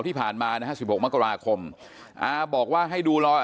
ที่ผ่านมานะฮะ๑๖มกราคมอาบอกว่าให้ดูรอย